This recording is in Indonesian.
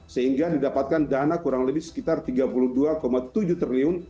sehingga didapatkan dana kurang lebih sekitar rp tiga puluh dua tujuh triliun